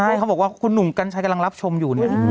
ใช่เขาบอกว่าคุณหนุ่มกัญชัยกำลังรับชมอยู่เนี่ย